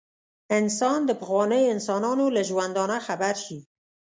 انسان د پخوانیو انسانانو له ژوندانه خبر شي.